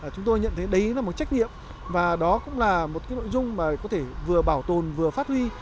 chúng tôi nhận thấy đấy là một trách nhiệm và đó cũng là một nội dung mà có thể vừa bảo tồn vừa phát huy